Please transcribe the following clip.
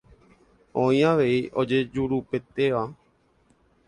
Oĩ avei ojejurupetéva.